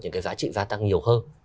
những cái giá trị gia tăng nhiều hơn